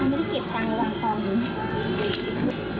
มันไม่ได้เก็บจังหวังตอนนี้